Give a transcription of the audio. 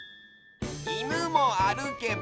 「いぬもあるけば」。